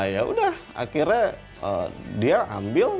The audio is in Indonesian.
yaudah akhirnya dia ambil